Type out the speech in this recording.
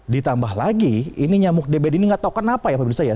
ditambah lagi ini nyamuk dbd ini nggak tahu kenapa ya pemirsa ya